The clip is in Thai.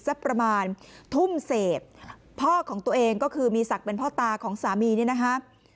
สักประมาณทุ่มเศษพ่อของตัวเองก็คือมีศักดิ์เป็นพ่อตาของสามีเนี่ยนะคะ